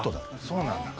そうなんだ。